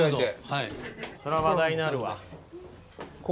そら話題になるわ。